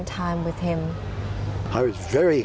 คิดว่าเกิดอะไรขึ้น